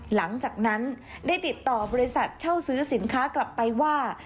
หลังจากนั้นได้ติดต่อบริษัทเช่าซื้อสินค้ากลับไปว่า